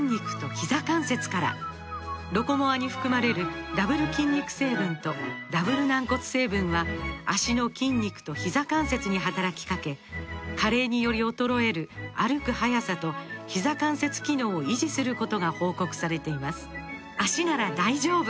「ロコモア」に含まれるダブル筋肉成分とダブル軟骨成分は脚の筋肉とひざ関節に働きかけ加齢により衰える歩く速さとひざ関節機能を維持することが報告されています